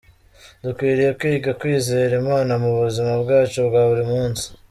Dukwiriye kwiga kwizera Imana mu buzima bwacu bwa buri munsi.